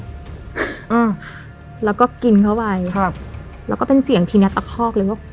อืมแล้วก็กินเข้าไปครับแล้วก็เป็นเสียงทีเนี้ยตะคอกเลยว่า